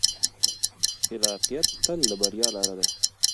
خلاقیت تل د بریا لاره ده.